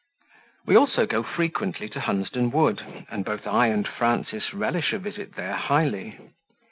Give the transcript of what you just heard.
We also go frequently to Hunsden Wood, and both I and Frances relish a visit there highly.